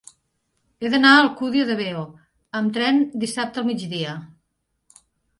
He d'anar a l'Alcúdia de Veo amb tren dissabte al migdia.